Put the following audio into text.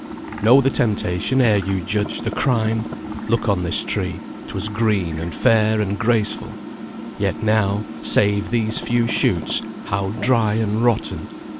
"Know the temptation ere you judge the crime! Look on this tree 'twas green, and fair, and graceful; Yet now, save these few shoots, how dry and rotten!